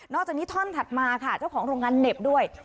จากนี้ท่อนถัดมาค่ะเจ้าของโรงงานเหน็บด้วย